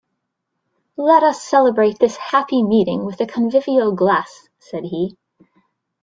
‘Let us celebrate this happy meeting with a convivial glass,’ said he.